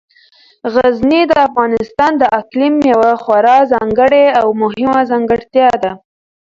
غزني د افغانستان د اقلیم یوه خورا ځانګړې او مهمه ځانګړتیا ده.